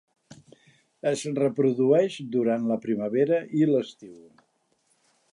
Es reprodueix durant la primavera i l'estiu.